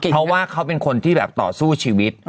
เพราะว่าเขาเป็นคนที่แบบต่อสู้ชีวิต